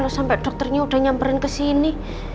sampai dokternya udah nyamperin kesini